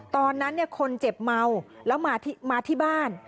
ตอนนั้นคนเจ็บเมาแล้วมาที่บ้าน